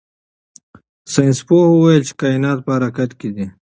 ساینس پوه وویل چې کائنات په حرکت کې دي.